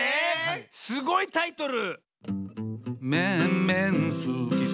すごいタイトル！